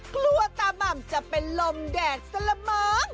กลัวตาม่ำจะเป็นลมแดดซะละมั้ง